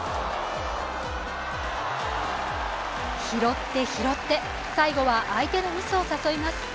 拾って拾って、最後は相手のミスを誘います。